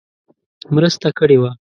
مرسته کړې وه.